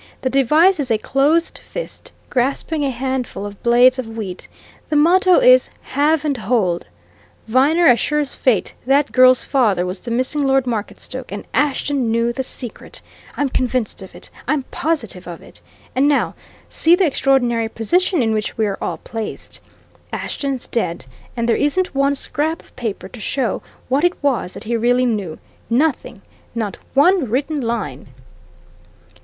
The device is a closed fist, grasping a handful of blades of wheat; the motto is Have and Hold. Viner, as sure as fate, that girl's father was the missing Lord Marketstoke, and Ashton knew the secret! I'm convinced of it I'm positive of it. And now see the extraordinary position in which we're all placed. Ashton's dead, and there isn't one scrap of paper to show what it was that he really knew. Nothing not one written line!"